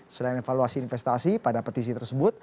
selain evaluasi investasi pada petisi tersebut